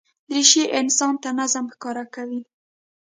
دریشي انسان ته نظم ښکاره کوي.